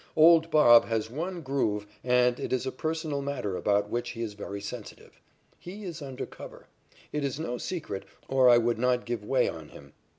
"Old Bob" has one "groove" and it is a personal matter about which he is very sensitive. He is under cover. It is no secret, or I would not give way on him.